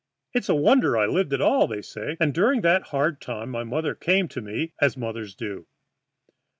It's a wonder I lived at all, they say, and during that hard time my mother came to me, as mothers do.